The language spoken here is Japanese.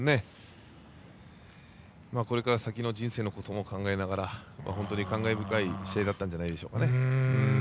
これから先の人生のことも考えながら本当に感慨深い試合だったんじゃないでしょうか。